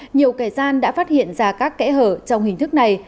nhiều kẻ gian đã phát hiện ra các kẽ hở trong hình thức này